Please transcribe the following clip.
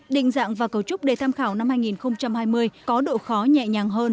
định dạng và cấu trúc đề tham khảo năm hai nghìn hai mươi có độ khó nhẹ nhàng hơn